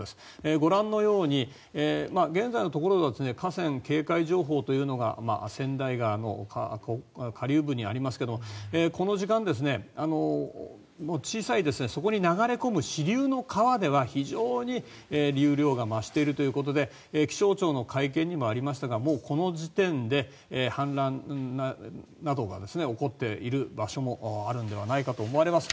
ご覧のように現在のところ河川警戒情報というのが川内川の下流部にありますがこの時間、小さいそこに流れ込む支流の川では非常に流量が増しているということで気象庁の会見にもありましたがもうこの時点で氾濫などが起こっている場所もあるんではないかと思われます。